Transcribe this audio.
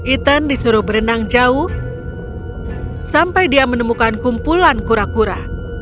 ethan disuruh berenang jauh sampai dia menemukan kumpulan kura kura